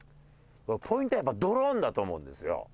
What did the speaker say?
ポイントはやっぱりドローンだと思うんですよ。